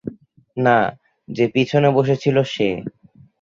না, যে পিছনে বসে ছিল সে।